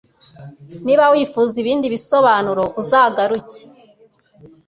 niba wifuza ibindi bisobanuro uzagaruke